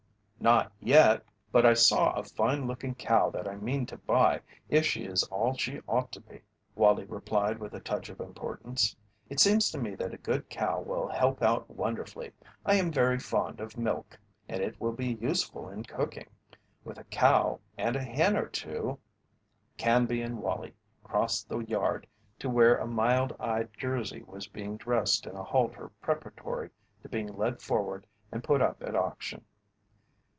"Not yet. But I saw a fine looking cow that I mean to buy if she is all she ought to be," Wallie replied with a touch of importance. "It seems to me that a good cow will help out wonderfully. I am very fond of milk and it will be useful in cooking. With a cow and a hen or two " Canby and Wallie crossed the yard to where a mild eyed Jersey was being dressed in a halter preparatory to being led forward and put up at auction.